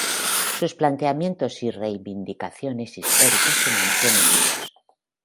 Sus planteamientos y reivindicaciones históricas se mantienen vivos.